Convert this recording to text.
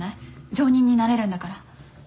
上忍になれるんだから。